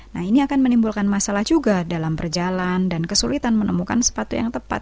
nah ini akan menimbulkan masalah juga dalam berjalan dan kesulitan menemukan sepatu yang tepat